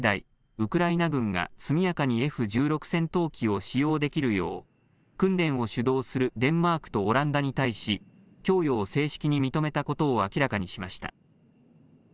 ウクライナ軍が速やかにＦ１６戦闘機を使用できるよう訓練を主導するデンマークとオランダに対し供与を正式に認めたことを明らかにしました。